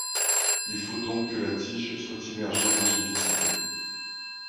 Il faut donc que la tige soit immergée dans ce liquide.